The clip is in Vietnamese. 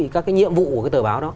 các cái nhiệm vụ của cái tờ báo đó